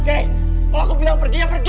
kayak kalau aku bilang pergi ya pergi